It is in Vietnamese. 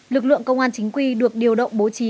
lực lượng công an chính quy được điều động bố trí